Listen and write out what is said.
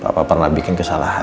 papa pernah bikin kesalahan